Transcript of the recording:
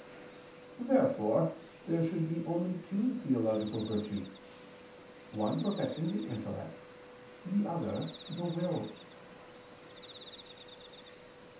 Therefore there should be only two theological virtues, one perfecting the intellect, the other, the will.